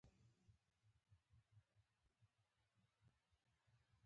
• واده د مسؤلیت حس لوړوي.